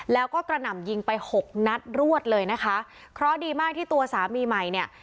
แล้วก็กระหน่ำยิงไปหกนัดรวดเลยนะคะเพราะดีมากที่ตัวสามีใหม่เนี่ย